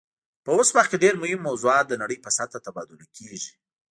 په اوس وخت کې ډیر مهم موضوعات د نړۍ په سطحه تبادله کیږي